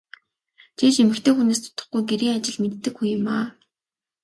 Чи ч эмэгтэй хүнээс дутахгүй гэрийн ажил мэддэг хүн юмаа.